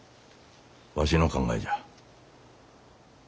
わしの考えじゃ。